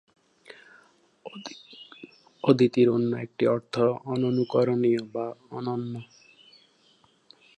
অদিতির অন্য একটি অর্থ 'অননুকরণীয়' বা 'অনন্য'।